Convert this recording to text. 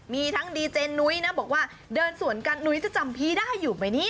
มีทั้งดีเจนุ้ยนะบอกว่าเดินสวนกันนุ้ยจะจำพี่ได้อยู่ไหมเนี่ย